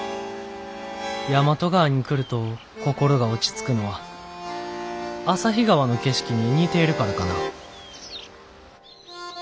大和川に来ると心が落ち着くのは旭川の景色に似ているからかな」。